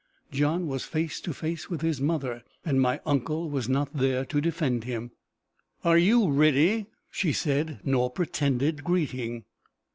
John was face to face with his mother, and my uncle was not there to defend him! "Are you ready?" she said, nor pretended greeting.